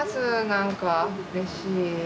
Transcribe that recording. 何かうれしい。